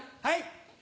はい。